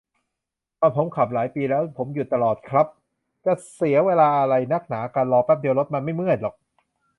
ตอนผมขับ หลายปีแล้ว ผมหยุดตลอดครับ จะเสียเวลาอะไรนักหนากัน รอแป๊บเดียว รถมันไม่เมื่อยหรอก